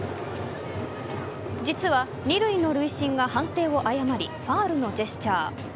実は二塁の塁審が判定を誤りファウルのジェスチャー。